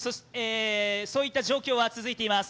そういった状況が続いています。